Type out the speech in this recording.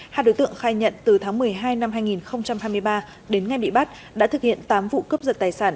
hai đối tượng khai nhận từ tháng một mươi hai năm hai nghìn hai mươi ba đến ngày bị bắt đã thực hiện tám vụ cướp giật tài sản